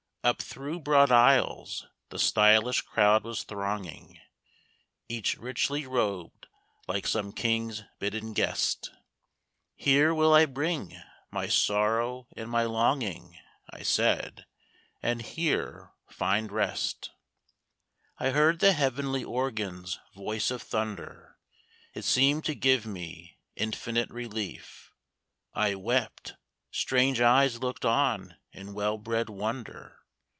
Up through broad aisles the stylish crowd was thronging, Each richly robed like some king's bidden guest. "Here will I bring my sorrow and my longing," I said, "and here find rest." I heard the heavenly organ's voice of thunder, It seemed to give me infinite relief. I wept. Strange eyes looked on in well bred wonder.